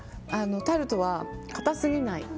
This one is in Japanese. タルトは硬すぎない。